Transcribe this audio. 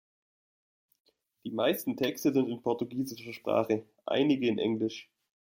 Die meisten Texte sind in portugiesischer Sprache, einige in Englisch.